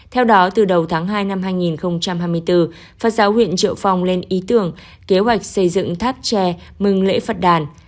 theo đó từ đầu tháng hai năm hai nghìn hai mươi bốn phật giáo huyện triệu phong lên ý tưởng kế hoạch xây dựng tháp tre mừng lễ phật đàn